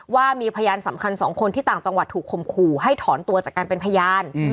ว่ามีพยานสำคัญ๒คนที่ต่างจังหวัดถูกคมขู่ให้ถอนตัวจากการเป็นพยาน